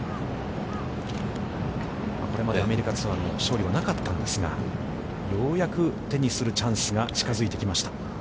これまでアメリカツアーの勝利はなかったんですが、ようやく手にするチャンスが近づいてきました。